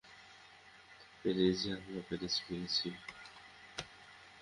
পেরেছি আমরা, পেরেছি, পেরেছি।